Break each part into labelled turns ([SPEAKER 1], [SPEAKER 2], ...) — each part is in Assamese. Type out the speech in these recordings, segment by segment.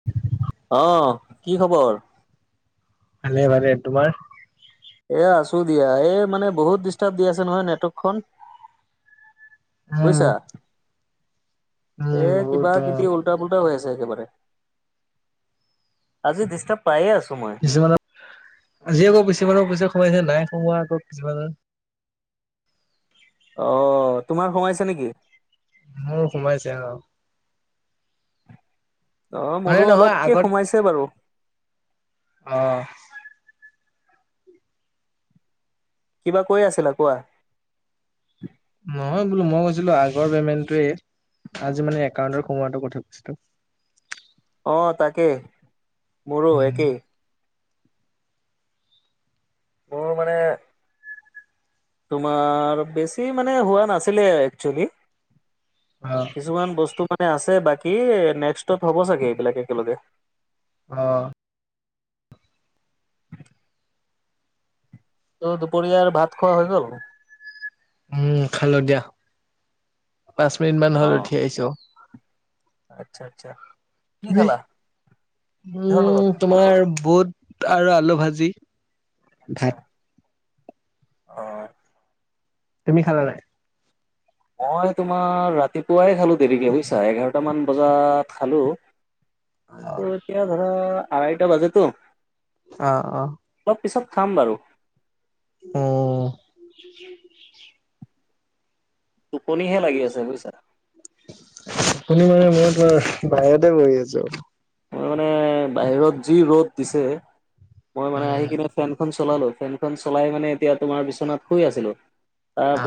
[SPEAKER 1] [inaudible]
[SPEAKER 2] অ', কি খবৰ?
[SPEAKER 1] ভালে, ভালে তোমাৰ?
[SPEAKER 2] এ আছো দিয়া। এই মানে বহুত ডিষ্টাৰ্ব দি আছে, নহয় নেটৱৰ্কখন
[SPEAKER 1] উম
[SPEAKER 2] বুজিছা
[SPEAKER 1] উম
[SPEAKER 2] এ কিবা
[SPEAKER 1] বহুত অ
[SPEAKER 2] কিবি উল হৈ আছে। একেবাৰে আজি ডষ্টাৰ পাইে আছো, মই
[SPEAKER 1] কিছুমানৰ আজিয় আকৌ কিছুমানৰ পইচা কোমাইছে নাই। সোমোৱা আকৌ কিছুমানে
[SPEAKER 2] অ', তোমাৰ সোমাইছো নেকি
[SPEAKER 1] মোৰ সোমাইছে আৰু
[SPEAKER 2] অ',
[SPEAKER 1] মানে
[SPEAKER 2] মোৰো
[SPEAKER 1] নহয়
[SPEAKER 2] অলপকে
[SPEAKER 1] আগত
[SPEAKER 2] সোমাইছে বাৰু
[SPEAKER 1] অ',
[SPEAKER 2] কিবা কৈ আছিলা কোৱা
[SPEAKER 1] নহয় বোলো মই কৈছিলো। আগৰ পেমেণ্টোৱে আজি মানে একাউণ্টৰ সোমোৱাটো কথা কৈছে
[SPEAKER 2] অ', তাকে মোৰো
[SPEAKER 1] উম
[SPEAKER 2] একেই মোৰ মানে তোমাৰ বেছি মানে হোৱা নাছিলে একচেলি
[SPEAKER 1] অ',
[SPEAKER 2] কিছুমান বস্তু মানে আছে, বাকী নেক্সত হ'ব চাগে এইবিলাক একেলগে
[SPEAKER 1] অ',
[SPEAKER 2] [unintelligible] ত' দুপৰীয়াৰ ভাত খোৱা হৈ গ'ল?
[SPEAKER 1] উম, খাল দীয়াা পাঁচ মিনিট মান হল
[SPEAKER 2] অ',
[SPEAKER 1] উঠি আহিছো।
[SPEAKER 2] আচ্ছা, আচ্ছা কি
[SPEAKER 1] তুমি
[SPEAKER 2] খালা কিহৰ
[SPEAKER 1] উম,
[SPEAKER 2] লগত?
[SPEAKER 1] তোমাৰ বুট আৰু আলু ভাজি।
[SPEAKER 2] আচ্ছা।
[SPEAKER 1] ভাত
[SPEAKER 2] অ'।
[SPEAKER 1] তুমি খালা নাই?
[SPEAKER 2] মই তোমাৰ ৰাতিপুৱাই খালো দেৰিকে বুইছা এঘাৰটা মান বজাত খালো। ত এতিয়া ধৰা আঢ়াইটা বাজেতো।
[SPEAKER 1] অ', অ'।
[SPEAKER 2] অলপ পিছত খাম বাৰু।
[SPEAKER 1] অ'।
[SPEAKER 2] টোপনিহে লাগি আছে বুইছা।
[SPEAKER 1] আপুনি মানে মই তোমাৰ বাহিৰতে বহি আছো।
[SPEAKER 2] মই মানে বাহিৰত যি ৰ'দ দিছে মই মানে
[SPEAKER 1] উম
[SPEAKER 2] আহি কিনে ফেনখন চলালো ফেনখন চলাই মানে এতিয়া তোমাৰ বিচনাত শুই আছিলো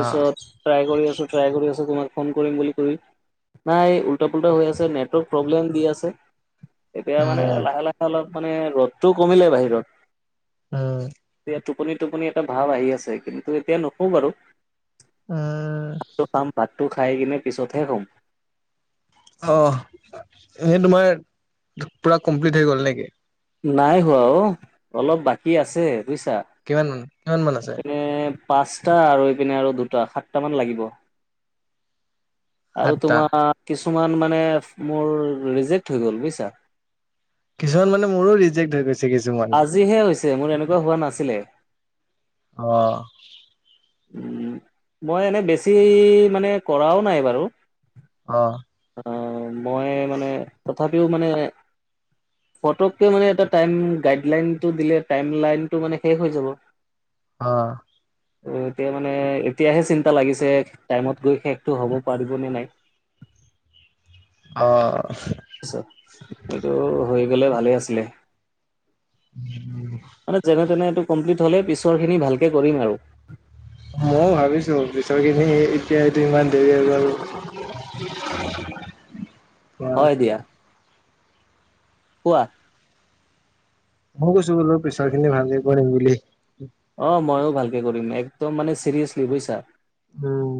[SPEAKER 1] অ
[SPEAKER 2] ট্ৰাই কৰি আছো ট্ৰাই কৰি আছো তোমাক ফোন কৰিম বুলি কৰি নাই এই উল্টা পুলটা হৈ আছে নেটৱৰ্ক প্ৰব্লেম দি আছে। এতিয়া মানে
[SPEAKER 1] উম,
[SPEAKER 2] লাহে লাহে অলপ মানে ৰ'দটো কমিলে বাহিৰত।
[SPEAKER 1] অ'।
[SPEAKER 2] এতিয়া টোপনি টোপনি এটা ভাৱ আহি আছে কিন্তু এতিয়া নুশো বাৰু।
[SPEAKER 1] অ'।
[SPEAKER 2] ভাতটো খাম ভাতটো খাই কিনে পিছতহে শুম।
[SPEAKER 1] অঁ', এনেই তোমাৰ পূৰা কমপ্লিট হৈ গ'ল নেকি?
[SPEAKER 2] নাই হোৱা অ অলপ বাকী আছে বুজিছা।
[SPEAKER 1] কিমান মান কিমান মান আছে?
[SPEAKER 2] এ পাঁচটা আৰু এইপিনে আৰু দুটা সাতটা মান লাগিব। আৰু
[SPEAKER 1] সাতটা।
[SPEAKER 2] তোমাৰ কিছুমান মানে মোৰ ৰিজেক্ট হৈ গ'ল বুজিছা।
[SPEAKER 1] কিছুমান মানে মোৰো ৰিজেক্ট হৈ গৈছে কিছুমান।
[SPEAKER 2] আজিহে হৈছে মোৰ এনেকুৱা হোৱা নাছিলে।
[SPEAKER 1] অ'।
[SPEAKER 2] উম, মই এনে বেছি মানে কৰাও নাই বাৰু।
[SPEAKER 1] অ'।
[SPEAKER 2] মই মানে তথাপিও মানে ফতকে মানে এটা টাইম গাইডলাইন টো দিলে টাইম লাইনটো মানে শেষ হৈ যাব।
[SPEAKER 1] অ'।
[SPEAKER 2] ত এতিয়া মানে এতিয়াহে চিন্তা লাগিছে টাইমত গৈ শেষটো হ'ব পাৰিব নে নাই।
[SPEAKER 1] অঁ'।
[SPEAKER 2] এইটো হৈ গ'লে ভালে আছিলে।
[SPEAKER 1] উম।
[SPEAKER 2] মানে যেনে তেনে এইটো কমপ্লিট হ'লে পিছৰ খিনি ভালকে কৰিম আৰু।
[SPEAKER 1] ময়ো ভাবিছো পিছৰখিনি এতিয়া এইটো ইমান দেৰি হৈ গ'ল। অহ,
[SPEAKER 2] হয় দিয়া। কোৱা।
[SPEAKER 1] মই কৈছোঁ বোলো পিছৰ খিনি ভালকে কৰিম বুলি।
[SPEAKER 2] অ', ময়ো ভালকে কৰিম একদম মানে চিৰিয়াছলি বুজিছা।
[SPEAKER 1] উম।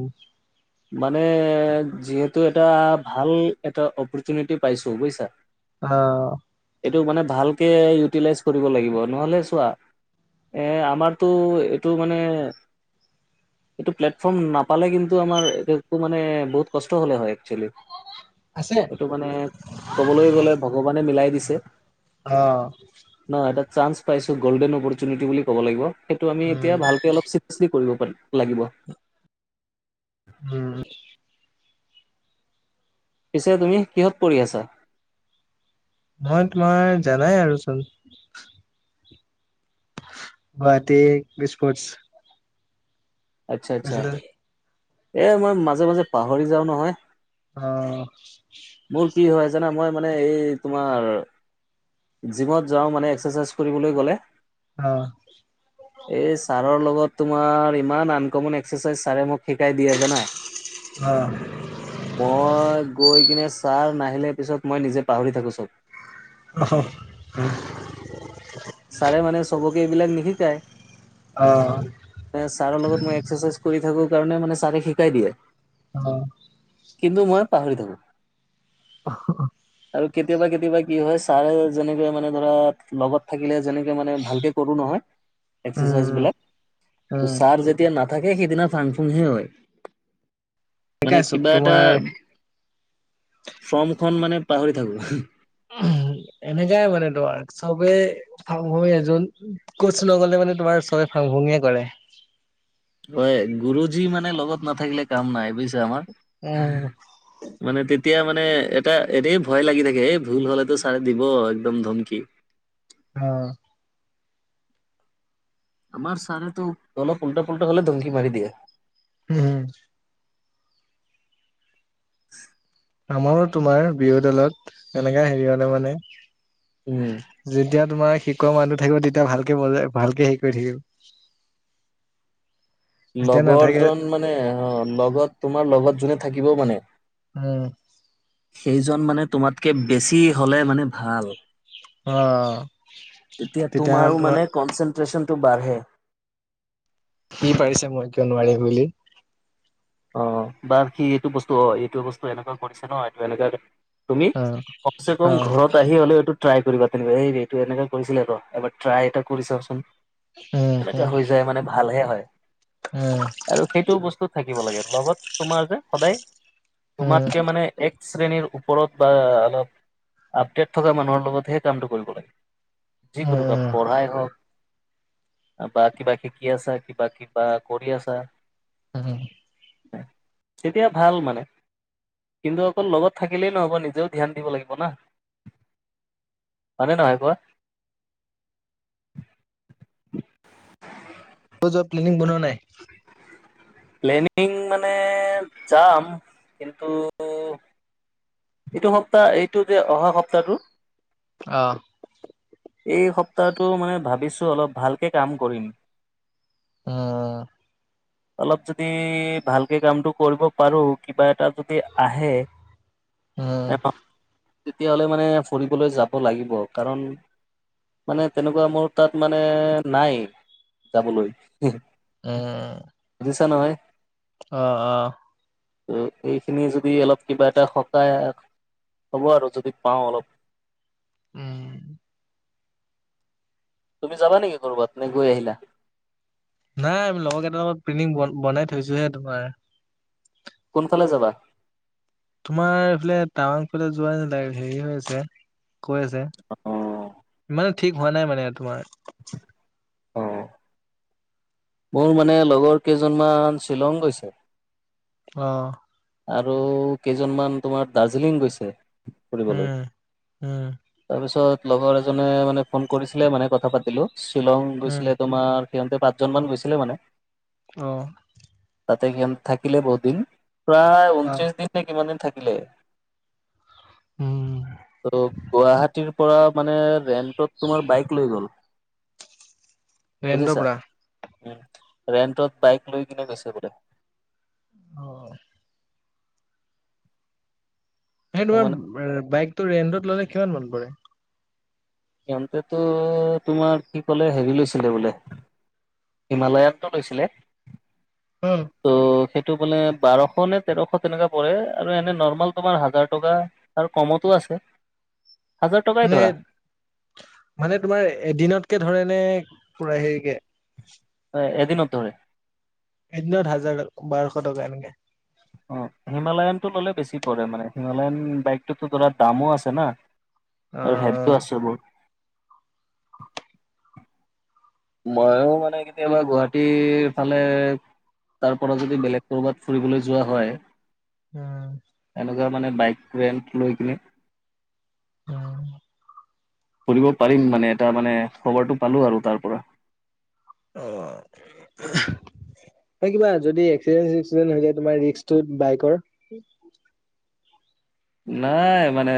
[SPEAKER 2] মানে যিহেতু এটা ভাল এটা অপৰ্চুনিটি পাইছো বুজিছা।
[SPEAKER 1] অ'।
[SPEAKER 2] এইটো মানে ভালকে ইউটিলাইজ কৰিব লাগিব নহ'লে চোৱা। এ আমাৰতো এইটো মানে এইটো প্লেটফৰ্ম নাপালে কিন্তু আমাৰ এইটো মানে বহুত কষ্ট হলে হয় একচুৱেলি
[SPEAKER 1] আছে।
[SPEAKER 2] এইটো মানে ক'বলৈ গলে, ভগৱানে মিলাই দিছে।
[SPEAKER 1] অঁ
[SPEAKER 2] ন, এটা চাঞ্চ পাইছো, গল্ডেন অপৰচুনিটি বুলি ক'ব লাগিব, সেইটো আমি
[SPEAKER 1] উম,
[SPEAKER 2] এতিয়া ভালকে অলপ কৰিব পাৰি লাগিব।
[SPEAKER 1] উম।
[SPEAKER 2] পিছে তুমি, কিহত পঢ়ি আছা?
[SPEAKER 1] মই তোমাৰ, জানাই আৰুচোন। Guwahati cruise ports.
[SPEAKER 2] আচ্ছা আচ্ছা, এ মই মাজে মাজে পাহৰি যাওঁ নহয়।
[SPEAKER 1] অঁ
[SPEAKER 2] মোৰ কি হয় জানা? মই মানে এই তোমাৰ জিমত যাওঁ মানে, এক্সাৰচাইজ কৰিবলৈ গ'লে
[SPEAKER 1] অঁ
[SPEAKER 2] এই ছাৰৰ লগত তোমাৰ ইমান আনকমন এক্সাৰচাইজ ছাৰে মোক শিকাই দিয়ে জানা
[SPEAKER 1] অ',
[SPEAKER 2] মই গৈ কিনে ছাৰ নাহিলে, পিছত মই নিজে পাহৰি থাকো চব।
[SPEAKER 1] অঁ
[SPEAKER 2] ছাৰে মানে চবকে এইবিলাক নিশিকায়
[SPEAKER 1] অঁ
[SPEAKER 2] এ ছাৰৰ লগত মই এক্সাৰচাইজ কৰি থাকো কাৰণে, মানে ছাৰে শিকাই দিয়ে।
[SPEAKER 1] অঁ
[SPEAKER 2] কিন্তু মই পাহৰি থাকো আৰু কেতিয়াবা কেতিয়াবা কি হয়, ছাৰে যেনেকে মানে ধৰা লগত থাকিলে যেনেকে মানে ভালকে কৰো নহয়, এক্
[SPEAKER 1] উম, উম,
[SPEAKER 2] বিলাক তেতিয়া নাথাকে সেইদিনা ফাং- ফুংহে হয়। মানে
[SPEAKER 1] এনেকাই চব
[SPEAKER 2] কিবা এটা,
[SPEAKER 1] তোমাৰ
[SPEAKER 2] ফৰ্মখন মানে পাহৰি থাকো।
[SPEAKER 1] এনেকাই মানে তোমাৰ চবে ফাং ফুং এ কোচ নগলে মানে তোমাৰ চবে ফাং ফুং এ কৰে।
[SPEAKER 2] হয়, গুৰুজী মানে লগত নাথাকিলে কাম নাই বুজিছা আমাৰ।
[SPEAKER 1] উম
[SPEAKER 2] মানে তেতিয়া মানে এটা এনে ভয় লাগি থাকে, এই ভুল হলেটো চাৰে দিব একদম ধমকি।
[SPEAKER 1] অঁ
[SPEAKER 2] আমাৰ ছাৰে তো তলপ উল্টা পুল্টা হ'লে ধমকি মাৰি দিয়ে।
[SPEAKER 1] উম আমাৰো তোমাৰ বিয়ুৰ দলত এনেকা হেৰি হলে মানে
[SPEAKER 2] উম।
[SPEAKER 1] যেতিয়া তোমাৰ শিকোৱা মানুহটো থাকিব, তেতিয়া ভালকে বজাই ভালকে শিক কৰি থাকিব। যেতিয়া
[SPEAKER 2] লগৰ
[SPEAKER 1] নাথাকে
[SPEAKER 2] জন মানে অ', লগত তোমাৰ লগত যোনে থাকিবও মানে
[SPEAKER 1] উম
[SPEAKER 2] সেইজন মানে তোমাতকে বেছি হ'লে মানে ভাল।
[SPEAKER 1] অ',
[SPEAKER 2] তেতিয়া তোমাৰো মানে, কনচেনট্ৰেচনটো বাঢ়ে।
[SPEAKER 1] কি পাৰিছে মই কিয় নোৱাৰিম বুলি।
[SPEAKER 2] অ', বা সি এইটো বস্তু অ', এইটো বস্তু এনেকুৱা কৰিছে ন এইটো এনেকুৱা তুমি
[SPEAKER 1] অ',
[SPEAKER 2] কমচে কম
[SPEAKER 1] অ',
[SPEAKER 2] ঘৰত আহি হ'লে এইটো ট্ৰাই কৰিবা তেনেকুৱা, এই এইটো এনে কৰিছিলে ৰ' এবা চেষ্টা এটা কৰি চাওঁচোন।
[SPEAKER 1] উম,
[SPEAKER 2] এনেকুৱা
[SPEAKER 1] উম,
[SPEAKER 2] হৈ যায় মানে ভালহে হয়।
[SPEAKER 1] উম,
[SPEAKER 2] আৰু সেইটো বস্তু থাকিব লাগে, লগত তোমাৰ যে সদায়
[SPEAKER 1] উম,
[SPEAKER 2] তোমাতকে মানে এক শ্ৰেণীৰ ওপৰত বা অলপ আপডেট থকা মানুহৰ লগতহে কামটো কৰিব লাগে। যিকোনো
[SPEAKER 1] উম,
[SPEAKER 2] কাম
[SPEAKER 1] উম।
[SPEAKER 2] পঢ়াই হওঁক বা কিবা শিকি আছা, কিবা কিবা কৰি আছা
[SPEAKER 1] উম।
[SPEAKER 2] তেতিয়া ভাল মানে। কিন্তু অকল লগত থাকিলেই নহ'ব নিজেও ধ্যান দিব লাগিব না। হয়নে নহয় কোৱা।
[SPEAKER 1] ক'ত যোৱা প্লেনিং বনোৱা নাই।
[SPEAKER 2] প্লেনিং মানে যাম কিন্তু এইটো সপ্তাহ এইটো যে অহা সপ্তাহটো
[SPEAKER 1] অ'।
[SPEAKER 2] এই সপ্তাহটো মানে ভাবিছোঁ অলপ ভালকে কাম কৰিম।
[SPEAKER 1] উম
[SPEAKER 2] অলপ যদি ভালকে কামটো কৰিব পাৰো কিবা এটা যদি আহে
[SPEAKER 1] উম,
[SPEAKER 2] তেতিয়াহলে মানে ফুৰিবলৈ যাব লাগিব কাৰণ মানে তেনেকুৱা মোৰ তাত মানে নাই যাবলৈ
[SPEAKER 1] উম।
[SPEAKER 2] বুজিছা নহয়।
[SPEAKER 1] অ', অ'।
[SPEAKER 2] ত' এইখিনি যদি অলপ কিবা এটা সপ তাই হ'ব আৰু যদি পাওঁ অলপ
[SPEAKER 1] উম।
[SPEAKER 2] তুমি যাব নেকি ক'ৰবাত নে গৈ আহিলা।
[SPEAKER 1] নাই আমি লগৰ কেইটা লগত প্ৰিণ্টিং বনাই থৈছোহে তোমাৰ
[SPEAKER 2] কোনফালে যাবা?
[SPEAKER 1] তোমাৰ এইফালে টাৱাং ফালে যোৱা নাগ হেৰি হৈ আছে কৈ আছে
[SPEAKER 2] অ',
[SPEAKER 1] ইমানে ঠিক হোৱা নাই মানে তোমাৰ
[SPEAKER 2] অ'। মোৰ মানে লগৰ কেইজনমান শ্বিলং গৈছে।
[SPEAKER 1] অ'।
[SPEAKER 2] আৰু কেইজনমান তোমাৰ দাৰ্জিলিং গৈছে ফুৰিবলৈ।
[SPEAKER 1] উম, উম।
[SPEAKER 2] তাৰপিছত লগৰ এজনে মানে ফোন কৰিছিলে মানে কথা পাতিলো শ্বিলং
[SPEAKER 1] উম,
[SPEAKER 2] গৈছিলে তোমাৰ সিহঁতে পাঁচজন মান গৈছিলে মানে
[SPEAKER 1] অ'।
[SPEAKER 2] তাতে গ থাকিল বহুত দিন প্ৰায়
[SPEAKER 1] অ',
[SPEAKER 2] ঊনত্ৰিশ দিন কিমান দিন থাকিলে
[SPEAKER 1] উম,
[SPEAKER 2] ত গুৱাহাটীৰ পৰা মানে ৰেন্টত তোমাৰ বাইক লৈ গ'ল
[SPEAKER 1] ৰেন্টৰ
[SPEAKER 2] বুজিছা
[SPEAKER 1] পৰা
[SPEAKER 2] উ ৰেন্টত বাইক লৈ কিনে গৈছে বোলে।
[SPEAKER 1] অ'। সেই
[SPEAKER 2] ত মানে
[SPEAKER 1] তোমাৰ বাইক টো ৰেন্টত ল'লে কিমান মন পৰে।
[SPEAKER 2] সিহতেতো তোমাৰ কি কলে হেৰি লৈছিলে বোলে। হিমালয়ানটো লৈছিলে।
[SPEAKER 1] উম।
[SPEAKER 2] ত' সেইটো মানে বাৰশ নে তেৰশ তেনেকুৱা পৰে আৰু এনে নৰ্মাল তোমাৰ হাজাৰ টকা আৰু কমতো আছে। হাজাৰ টকাই
[SPEAKER 1] মানে,
[SPEAKER 2] ধৰা
[SPEAKER 1] মানে তোমাৰ এদিনতকে ধৰে নে পুৰা হেৰিকে
[SPEAKER 2] এদিনত ধৰে
[SPEAKER 1] এদিনত হাজাৰ বাৰশ টকা এনেকে
[SPEAKER 2] অ', হিমালয়নতটো ললে বেছি পৰে মানে হিমালয়ন বাইকটোতো ধৰা দামো আছে না। আৰু
[SPEAKER 1] অ',
[SPEAKER 2] হেবীটো আছে বহুত ময়ো মানে কেতিয়াবা গুৱাহাটীৰ ফালে তাৰ পৰা যদি বেলেগ কৰবাত ফুৰিবলৈ যোৱা হয়।
[SPEAKER 1] উম্,
[SPEAKER 2] এনেকুৱা মানে বাইক ৰেন্ট লৈ কিনে।
[SPEAKER 1] উম্,
[SPEAKER 2] ফুৰিব পাৰিম মানে এটা মানে, খবৰটো পালোঁ আৰু তাৰ পৰা।
[SPEAKER 1] অ', হয় কিবা। যদি এক্সিডেণ্ট চেক্সিডেন্ট হৈ যায়, তোমাৰ ৰিক্সটো বাইকৰ, উম
[SPEAKER 2] নাই মানে,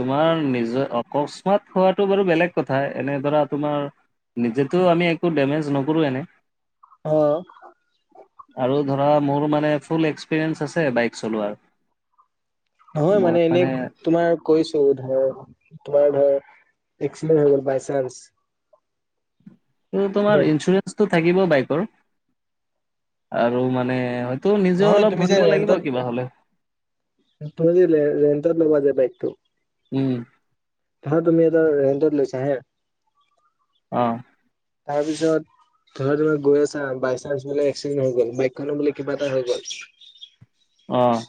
[SPEAKER 2] তোমাৰ নিজৰ অকস্মাত হোৱাটো বাৰু বেলেগ। কথা, এনে ধৰা তোমাৰ নিজেতো আমি একো ডেমেজ নকৰোঁ এনে।
[SPEAKER 1] অ',
[SPEAKER 2] আৰু ধৰা, মোৰ মানে ফুল এক্সপিৰিয়েঞ্চ আছে বাইক চলোৱাৰ।
[SPEAKER 1] নহয় মানে এনে, তোমাৰ কৈছোঁ ধৰ, তোমাৰ ধৰ এক্সিডেন্ট হৈ গ'ল বাই চান্স।
[SPEAKER 2] অ', তোমাৰ
[SPEAKER 1] দে,
[SPEAKER 2] ইঞ্চুৰেঞ্চটো থাকিব বাইকৰ আৰু মানে ত' নিজেও
[SPEAKER 1] নহয়
[SPEAKER 2] অলপ
[SPEAKER 1] তুমি
[SPEAKER 2] ভৰিব লাগিব কিবা হ'লে।
[SPEAKER 1] তুনিলে ৰেন্তাদ্ ল'ব যে বাইকটো।
[SPEAKER 2] উম্,
[SPEAKER 1] হা তুমি এটা ৰেণ্টত লৈছা হে।
[SPEAKER 2] অ',
[SPEAKER 1] তাৰপিছত। তাৰপিছত বোলে তোমাৰ গৈ আছা, বাই চান্স বোলে এক্সিডেণ্ট হৈ গ'ল। বাইকখনো বোলে কিবা এটা হৈ গ'ল।
[SPEAKER 2] অ',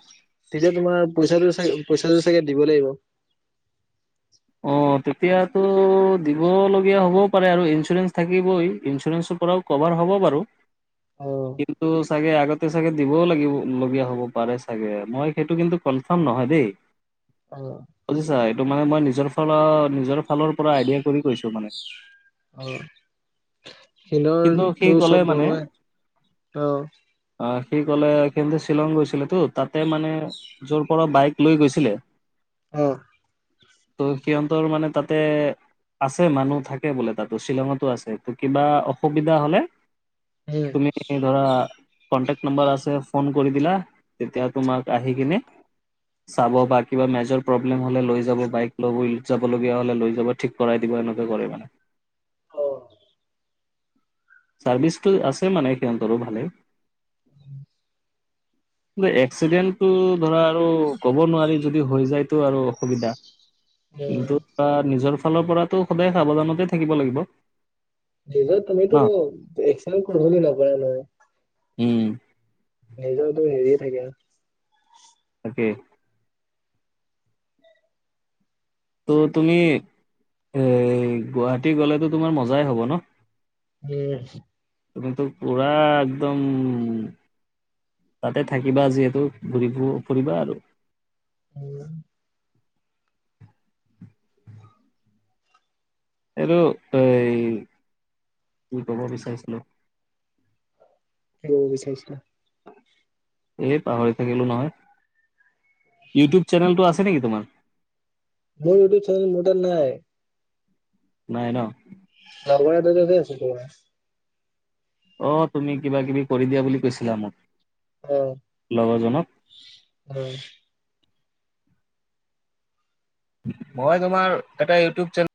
[SPEAKER 1] তেতিয়া তোমাৰ পইচাটো চাগে পইচাটো চাগে দিব লাগিব।
[SPEAKER 2] অ', তেতিয়াতো দিবলগীয়া হ'বও পাৰে আৰু ইঞ্চুৰেঞ্চ থাকিবই। ইঞ্চুৰেঞ্চৰ পৰাও কভাৰ হ'ব বাৰু,
[SPEAKER 1] অ',
[SPEAKER 2] কিন্তু চাগে আগত- তাতে চাগে দিবও লাগিব, লগীয়া হ'ব পাৰে চাগে। মই সেইটো কিন্তু কনফাৰ্ম নহয় দেই।
[SPEAKER 1] অ',
[SPEAKER 2] বুজিছা, এইটো মানে মই নিজৰ ফাল, নিজৰ ফালৰ পৰা আইডিয়া কৰি কৈছোঁ মানে।
[SPEAKER 1] অ',
[SPEAKER 2] কিন্তু সি
[SPEAKER 1] শিলৰটো
[SPEAKER 2] ক'লে
[SPEAKER 1] চব
[SPEAKER 2] মানে
[SPEAKER 1] বনোৱাই। অ',
[SPEAKER 2] অ', সি ক'লে, সিতো শ্বিলং গৈছিলে তো। তাতে মানে যৰ পৰা বাইক লৈ গৈছিলে।
[SPEAKER 1] অ',
[SPEAKER 2] ত' সিহঁতৰ মানে তাতে আছে মানুহ থাকে বোলে তাতো। শ্বিলঙতো আছে ত কিবা। সুবিধা হ'লে। তুমি ধৰা কনটেকট নাম্বাৰ আছে। ফোন কৰি দিলা, তেতিয়া তোমাক আহি কিনে চাব বা কিবা মেজৰ প্ৰব্লেম হ'লে লৈ যাব, বাইক লৈ যাবলগীয়া হ'লে লৈ যাব। ঠিক কৰাই দিব, এনেকে কৰে মানে।
[SPEAKER 1] অ',
[SPEAKER 2] চাৰ্ভিচটো আছে মানে সিহঁতৰো ভালে।
[SPEAKER 1] উ
[SPEAKER 2] এক্সিডেণ্টো ধৰা আৰু ক'ব নোৱাৰি। যদি হৈ যায়টো আৰু অসুবিধা
[SPEAKER 1] উম
[SPEAKER 2] কিন্তু নিজৰ ফালৰ পৰাতো সদায় সাৱধানতে থাকিব লাগিব।
[SPEAKER 1] নিজৰ
[SPEAKER 2] ন
[SPEAKER 1] তুমিতো এক্সেল কৰ বুলি নক নহয়।
[SPEAKER 2] উম্,
[SPEAKER 1] নিজৰ টো হেৰিয়ে থাকে আৰু।
[SPEAKER 2] তাকে। ত' তুমি, এ গুৱাহাটী গ'লেটো তোমাৰ মজাই হ'ব ন।
[SPEAKER 1] উম্,
[SPEAKER 2] তোমাৰটো পুৰা একদম। তাতে থাকিবা যিহেতু ঘুৰিব ফুৰিবা আৰু।
[SPEAKER 1] উম।
[SPEAKER 2] এইটো এই কি কব বিচাৰিছিলো।
[SPEAKER 1] কি কব বিচাৰিছিলা?
[SPEAKER 2] এই পাহৰি থাকিলো নহয় ইউটিউব চেনেলটো আছে নেকি তোমাৰ?
[SPEAKER 1] মোৰ ইউটিউব চেনেল মোৰ তাত নাই।
[SPEAKER 2] নাই ন?
[SPEAKER 1] লগৰ এটাৰ তাত হে আছে তোমাৰ।
[SPEAKER 2] অ', তুমি কিবা কিবি কৰি দিয়া বুলি কৈছিলা মোক।
[SPEAKER 1] অঁ'।
[SPEAKER 2] লগৰজনক।
[SPEAKER 1] উম।
[SPEAKER 2] মই তোমাৰ এটা ইউটিউব চেনেল